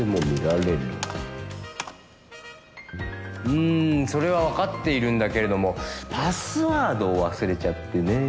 うーんそれはわかっているんだけれどもパスワードを忘れちゃってねえ。